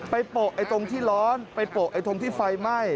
โปะตรงที่ร้อนไปโปะไอ้ตรงที่ไฟไหม้